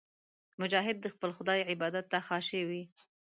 مجاهد د خپل خدای عبادت ته خاشع وي.